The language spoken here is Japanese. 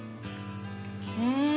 うん。